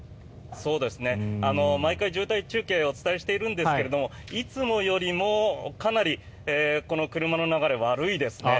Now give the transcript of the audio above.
毎回、渋滞中継をお伝えしているんですがいつもよりもかなりこの車の流れ悪いですね。